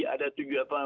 ada tujuan apa